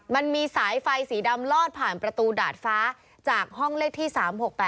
มันมีสายไฟสีดำลอดผ่านประตูดาดฟ้าจากห้องเลขที่๓๖๘